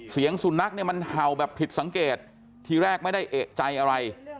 เสียงสุนัขเนี่ยมันเห่าแบบผิดสังเกตทีแรกไม่ได้เอกใจอะไร